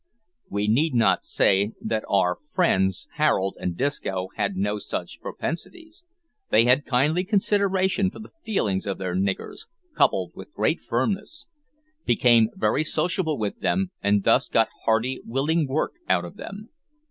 We need not say that our friends Harold and Disco had no such propensities. They had kindly consideration for the feelings of their "niggers," coupled with great firmness; became very sociable with them, and thus got hearty, willing work out of them.